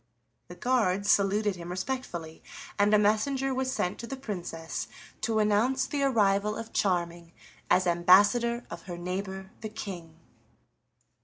The guards saluted him respectfully, and a messenger was sent to the Princess to announce the arrival of Charming as ambassador of her neighbor the King.